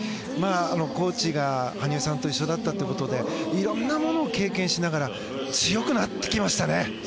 コーチが羽生さんと一緒だったということでいろんなものを経験しながら強くなってきましたね。